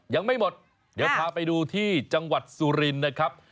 ยังไม่หมดเดี๋ยวพาไปดูที่จังหวัดสุรินทร์นะครับ